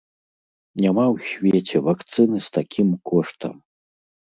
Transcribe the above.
Няма ў свеце вакцыны з такім коштам!